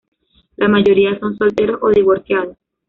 La mayoría son solteros o divorciados.